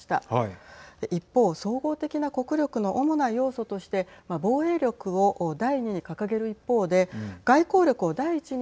一方、総合的な国力の主な要素として防衛力を第２に掲げる一方ではい。